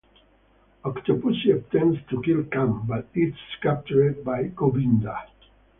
Octopussy attempts to kill Khan, but is captured by Gobinda.